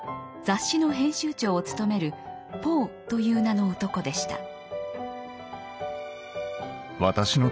雑誌の編集長を務めるポーという名の男でした。